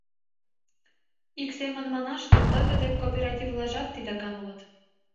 Ик семын манаш гын, тыгыде кооперативлажат титакан улыт.